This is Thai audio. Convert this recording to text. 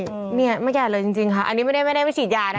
ใช่เนี้ยไม่แก่เลยจริงจริงค่ะอันนี้ไม่ได้ไม่ได้ไม่ฉีดยาน่ะ